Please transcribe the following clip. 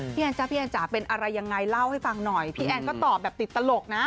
แอนจ๊ะพี่แอนจ๋าเป็นอะไรยังไงเล่าให้ฟังหน่อยพี่แอนก็ตอบแบบติดตลกนะ